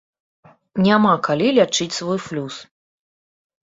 Няма калі лячыць свой флюс.